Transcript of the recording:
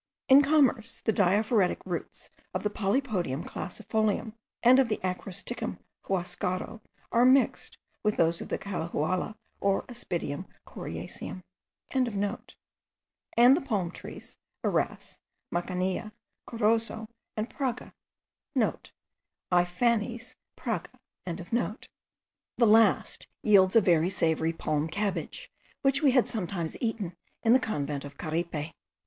In commerce the diaphoretic roots of the Polypodium crassifolium, and of the Acrostichum huascaro, are mixed with those of the calahuala or Aspidium coriaceum.) and the palm trees, irasse, macanilla, corozo, and praga.* (* Aiphanes praga.) The last yields a very savoury palm cabbage, which we had sometimes eaten at the convent of Caripe.